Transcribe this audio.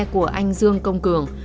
của anh dương công cường